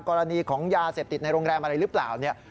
กรณีของยาเสพติดในโรงแรมอะไรหรือเปล่าเนี่ย